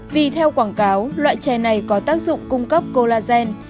vì theo quảng cáo loại chè này có tác dụng cung cấp colagen